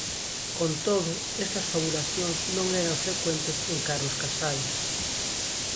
Con todo, estas fabulacións non eran frecuentes en Carlos Casares.